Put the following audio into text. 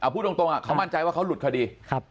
พูดตรงเขามั่นใจว่าเขาหลุดคดี